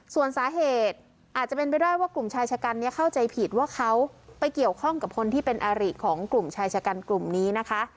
ส่วนสาเหตุอาจจะเป็นไปได้ว่ากลุ่มชายชะกันนี้เข้าใจผิดว่าเขาไปเกี่ยวข้องกับคนที่เป็นอาริของกลุ่มชายชะกันกลุ่มนี้นะคะ